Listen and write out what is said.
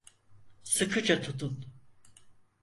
Sıkıca tutun.